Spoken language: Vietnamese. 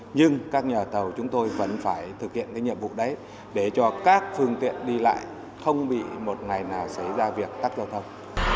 nhưng các nhà tàu chúng tôi vẫn phải thực hiện cái nhiệm vụ đấy để cho các phương tiện đi lại không bị một ngày nào xảy ra việc tắt giao thông